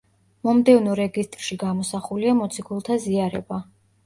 მომდევნო რეგისტრში გამოსახულია მოციქულთა ზიარება.